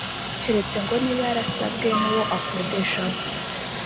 keretse ngo niba yarasabwe n’uwo akodeshaho